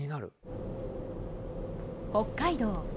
北海道